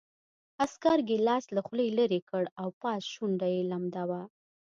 عسکر ګیلاس له خولې لېرې کړ او پاس شونډه یې لمده وه